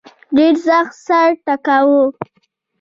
ډېر سخت سر ټکاوه.